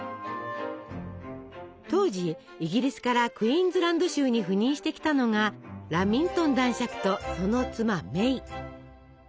当時イギリスからクイーンズランド州に赴任してきたのがラミントン男爵とその妻メイ。